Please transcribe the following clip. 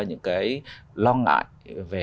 những cái lo ngại về